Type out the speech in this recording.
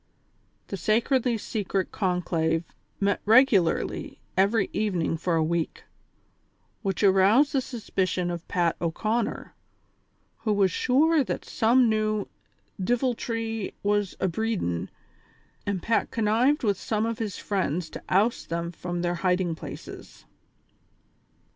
The sacredly secret conclave met regularly every evening for a week, which aroused the suspicion of Pat O'Conner, who was sure that some new "diviltry was abreedin'," and Pat connived with some of his friends to oust them from their hiding places.